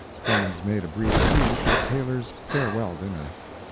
Clemens made a brief speech at Taylor's "farewell dinner."